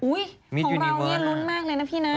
อุ้ยของเรานี่รุนมากเลยนะพี่นะ